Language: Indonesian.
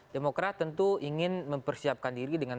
demokrat tentu ingin mempersiapkan diri dengan